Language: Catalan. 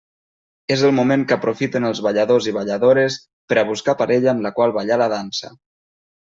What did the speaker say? És el moment que aprofiten els balladors i balladores per a buscar parella amb la qual ballar la Dansa.